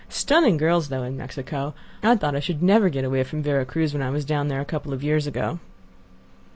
Stunning girls, though, in Mexico. I thought I should never get away from Vera Cruz when I was down there a couple of years ago."